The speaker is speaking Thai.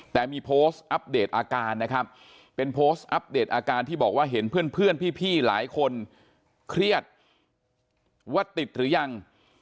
แต่มีโพสต์อัปเดตอาการนะครับเป็นโพสต์อัปเดตอาการที่บอกว่าเห็นเพื่อนพี่หลายคนเครียดว่าติดหรือยัง